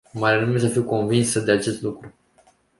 Mai rămâne să fiu convinsă de acest lucru.